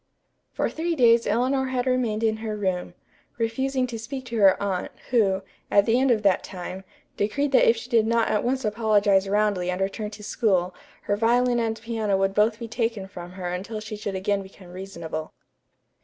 For three days Eleanor had remained in her room, refusing to speak to her aunt, who, at the end of that time, decreed that if she did not at once apologize roundly and return to school her violin and piano would both be taken from her until she should again become reasonable.